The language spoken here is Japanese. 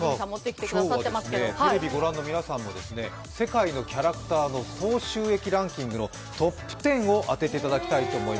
今日はテレビご覧の皆さんも世界のキャラクターの総収益ランキングのトップ１０を当てていただきます。